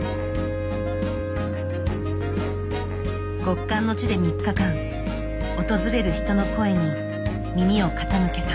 極寒の地で３日間訪れる人の声に耳を傾けた。